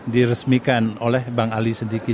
diresmikan oleh bang ali